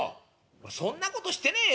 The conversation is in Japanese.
「俺そんなことしてねえよ。